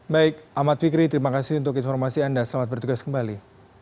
baik ahmad fikri terima kasih untuk informasi anda selamat bertugas kembali